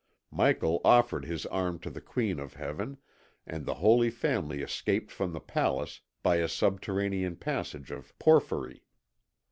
Michael offered his arm to the Queen of Heaven, and the Holy Family escaped from the palace by a subterranean passage of porphyry.